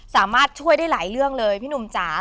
สามารถช่วยได้หลายเรื่องเลยพี่หนุ่มจ๋า